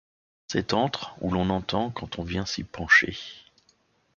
Cet antre, où l’on entend, quand on vient s’y pencher